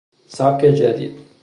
سبک جدید